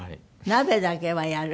鍋だけはやる？